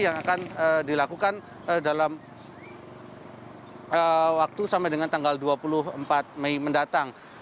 yang akan dilakukan dalam waktu sampai dengan tanggal dua puluh empat mei mendatang